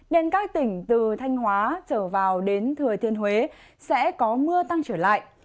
nên các tỉnh từ thanh hóa trở vào đến thừa thiên huế sẽ có mưa tăng trở lại